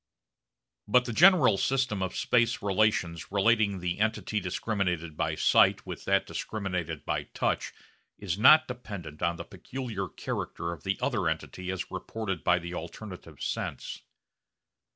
But the general system of space relations relating the entity discriminated by sight with that discriminated by sight is not dependent on the peculiar character of the other entity as reported by the alternative sense.